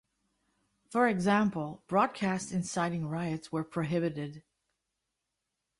For example, broadcasts inciting riots were prohibited.